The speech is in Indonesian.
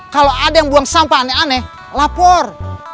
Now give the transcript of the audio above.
kalau ada yang buang sampah aneh aneh lapor